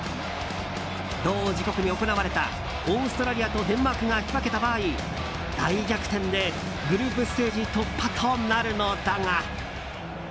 同時刻に行われたオーストラリアとデンマークが引き分けた場合大逆転でグループステージ突破となるのだが。